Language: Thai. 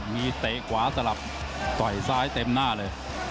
มีเตะขวาสลับต่อยซ้ายเต็มหน้าเลย